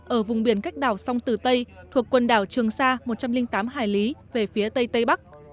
ở vùng biển cách đảo sông tử tây thuộc quần đảo trường sa một trăm linh tám hải lý về phía tây tây bắc